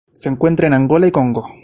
Se encuentra en Angola y Congo.